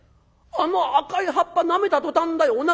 あの赤い葉っぱなめた途端だよ。